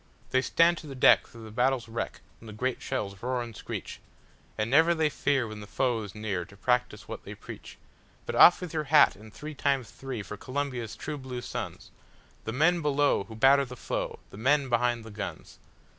They stand to the deck through the battle's wreck when the great shells roar and screech—And never they fear when the foe is near to practice what they preach:But off with your hat and three times three for Columbia's true blue sons, The men below who batter the foe—the men behind the guns!